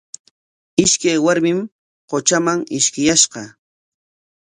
Ishkay warmim qutraman ishkiyashqa.